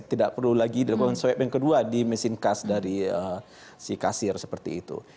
tidak perlu lagi dilakukan swab yang kedua di mesin kas dari si kasir seperti itu